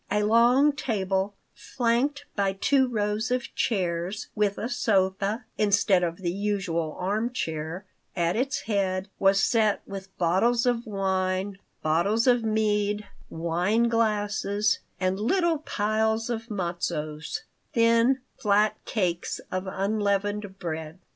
A long table, flanked by two rows of chairs, with a sofa, instead of the usual arm chair, at its head, was set with bottles of wine, bottles of mead, wine glasses, and little piles of matzos (thin, flat cakes of unleavened bread).